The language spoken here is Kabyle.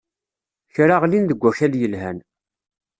Kra ɣlin deg wakal yelhan.